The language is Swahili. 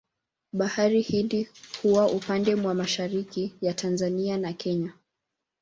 Bahari Hindi huwa upande mwa mashariki ya Tanzania na Kenya.